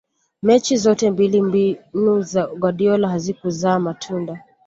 mechi zote mbili mbinu za guardiola hazikuzaa matunda